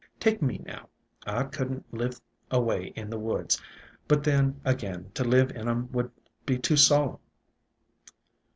Take me now; I could n't live away from woods, but then, again, to live in 'em would be too solemn.